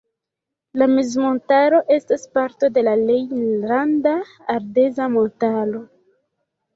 La mezmontaro estas parto de la Rejnlanda Ardeza Montaro.